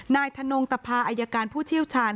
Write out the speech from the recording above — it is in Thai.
ธนงตภาอายการผู้เชี่ยวชาญ